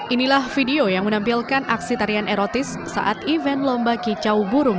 inilah video yang menampilkan aksi tarian erotis saat event lomba kicau burung